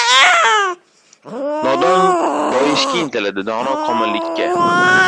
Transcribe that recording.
• Nodon boyishga intiladi, dono — komillikka.